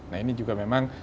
nah ini juga memang